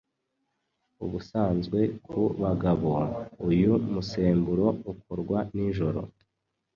ubusanzwe ku bagabo, uyu musemburo ukorwa nijoro